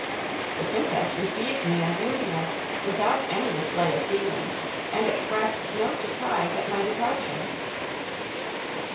The Princess received me as usual, without any display of feeling, and expressed no surprise at my departure.